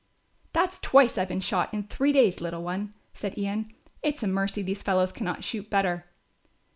"That's twice I've been shot in three days, little one," said Ian. "It's a mercy these fellows cannot shoot better."